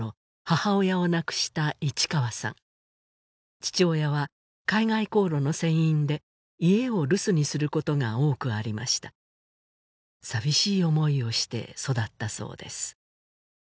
母親を亡くした市川さん父親は海外航路の船員で家を留守にすることが多くありました寂しい思いをして育ったそうです